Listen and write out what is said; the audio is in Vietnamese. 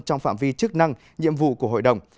trong phạm vi chức năng nhiệm vụ của hội đồng